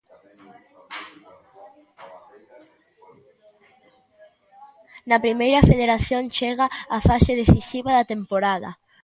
Na Primeira Federación chega a fase decisiva da temporada.